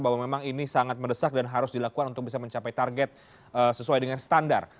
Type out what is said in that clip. bahwa memang ini sangat mendesak dan harus dilakukan untuk bisa mencapai target sesuai dengan standar